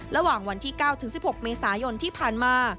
ระหว่างวันที่๙๑๖เมษายนที่ผ่านมา